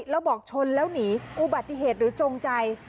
แล้วบอกชนแล้วหนีอุบัติเหตุหรือจงใจ